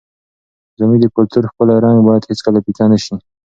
زموږ د کلتور ښکلی رنګ باید هېڅکله پیکه نه سي.